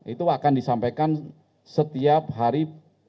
itu akan disampaikan setiap hari